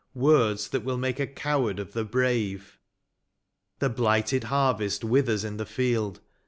Words that will make a coward of the brave. The blighted harvest withers in the field.